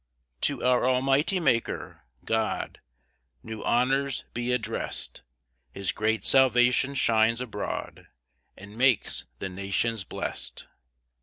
1 To our almighty Maker, God, New honours be address'd; his great salvation shines abroad, And makes the nations blest.